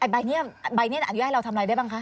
ใบนี้ใบนี้อนุญาตให้เราทำอะไรได้บ้างคะ